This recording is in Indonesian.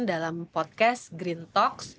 dalam podcast green talks